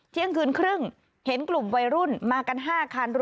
เที่ยงคืนครึ่งเห็นกลุ่มวัยรุ่นมากัน๕คัน